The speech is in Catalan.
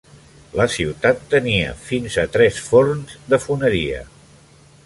La ciutat tenia fins a tres forns de foneria.